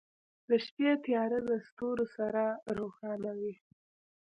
• د شپې تیاره د ستورو سره روښانه وي.